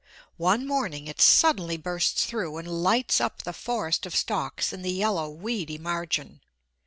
One morning it suddenly bursts through and lights up the forest of stalks in the yellow, weedy margin.